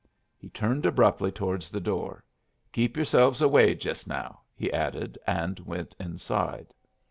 He turned abruptly towards the door. "Keep yerselves away jest now," he added, and went inside.